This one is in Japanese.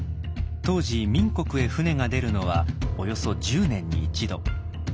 当時明国へ船が出るのはおよそ１０年に１度。